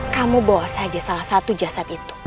kamu bawa saja salah satu jasad itu